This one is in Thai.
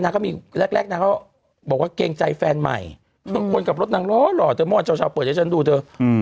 นางก็มีแรกนางก็บอกว่าเกรงใจแฟนใหม่บนกลับรถนางร้อนหรอเธอมอดชาวเปิดให้ฉันดูเธอ